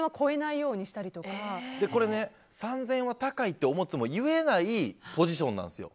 なので２０００円を３０００円は高いって思っても言えないポジションなんですよ。